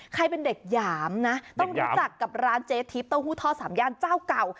ใครเป็นเด็กหยามนะต้องรู้จักกับร้านเจ๊ทิพย์เต้าหู้ทอดสามย่านเจ้าเก่า